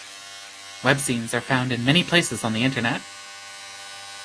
Webzines are found in many places on the Internet.